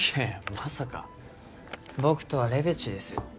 まさか僕とはレベチですよ